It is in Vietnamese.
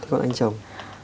còn anh chồng